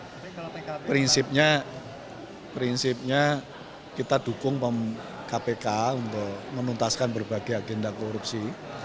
jadi prinsipnya kita dukung kpk untuk menuntaskan berbagai agenda korupsi